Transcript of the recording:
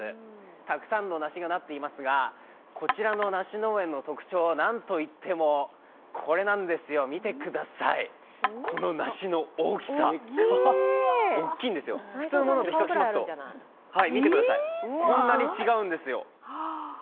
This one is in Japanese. たくさんの梨がなっていますがこちらの梨農園の特徴はなんといっても、これなんですよ、見てください、この梨の大きさ、大きいんですよ、普通のものと比較しますと見てください、こんなに違うんですよ。